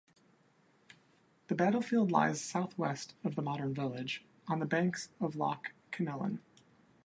The battlefield lies south-west of the modern village, on the banks of Loch Kinellan.